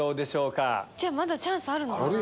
じゃあまだチャンスあるのかな。